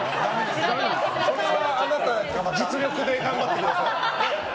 あなた、実力で頑張ってください。